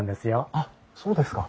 あっそうですか。